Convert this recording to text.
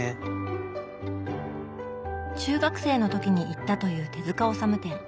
中学生の時に行ったという手治虫展。